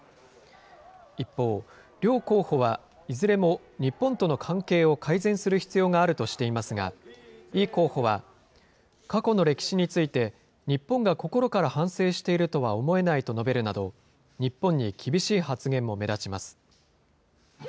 一方、両候補は、いずれも日本との関係を改善する必要があるとしていますが、イ候補は、過去の歴史について、日本が心から反省しているとは思えないと述べるなど、日本に厳しい発言も目立ちます。